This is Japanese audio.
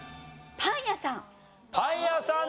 パン屋さん